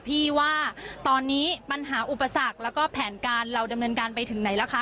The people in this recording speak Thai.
พี่ว่าตอนนี้ปัญหาอุปสรรคแล้วก็แผนการเราดำเนินการไปถึงไหนแล้วคะ